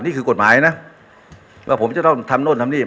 นี่คือกฎหมายนะว่าผมจะต้องทำโน่นทำนี่